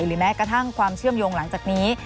หรือแม้กระทั่งความเชื่อมโยงหลังจากนี้